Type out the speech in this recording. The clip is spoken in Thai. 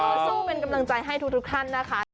สู้เป็นกำลังใจให้ทุกท่านนะคะ